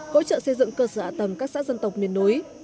hỗ trợ xây dựng cơ sở ạ tầng các xã dân tộc miền núi